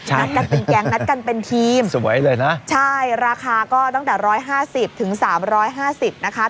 ใช่สวยเลยนะใช่ราคาก็ตั้งแต่ร้อยห้าสิบถึงสามร้อยห้าสิบนะคะ